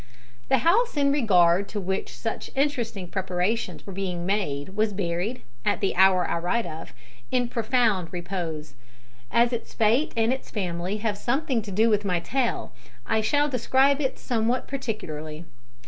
The house in regard to which such interesting preparations were being made was buried, at the hour I write of, in profound repose. As its fate and its family have something to do with my tale, I shall describe it somewhat particularly.